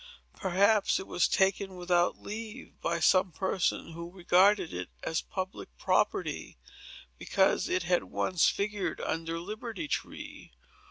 Perhaps it was taken, without leave, by some person who regarded it as public property, because it had once figured under Liberty Tree.